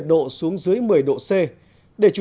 có bốn con trâu